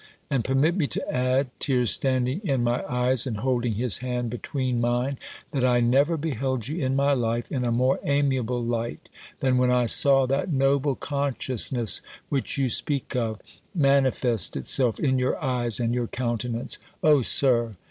And permit me to add," tears standing in my eyes, and holding his hand between mine, "that I never beheld you in my life, in a more amiable light, than when I saw that noble consciousness which you speak of, manifest itself in your eyes, and your countenance O Sir!